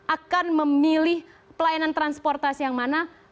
akan memilih pelayanan transportasi yang mana